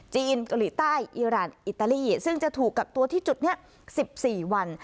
จีนตัวหลีใต้อิราณอิตาลีซึ่งจะถูกกักตัวที่จุดนี้สิบสี่วัน